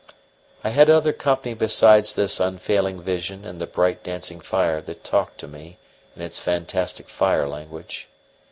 I had other company besides this unfailing vision and the bright dancing fire that talked to me in its fantastic fire language.